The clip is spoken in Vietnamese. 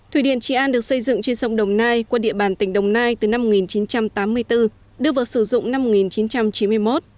thủy điện trị an được xây dựng trên sông đồng nai qua địa bàn tỉnh đồng nai từ năm một nghìn chín trăm tám mươi bốn đưa vào sử dụng năm một nghìn chín trăm chín mươi một